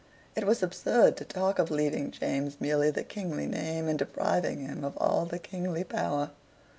It was absurd to talk of leaving James merely the kingly name, and depriving him of all the kingly power.